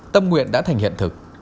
tâm nguyện đã thành hiện thực